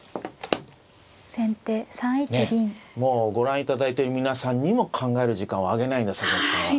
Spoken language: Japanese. もうご覧いただいてる皆さんにも考える時間をあげないんだ佐々木さんは。